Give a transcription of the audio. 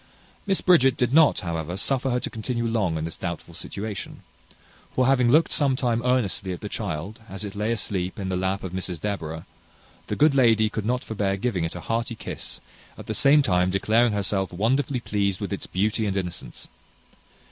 Miss Bridget did not, however, suffer her to continue long in this doubtful situation; for having looked some time earnestly at the child, as it lay asleep in the lap of Mrs Deborah, the good lady could not forbear giving it a hearty kiss, at the same time declaring herself wonderfully pleased with its beauty and innocence.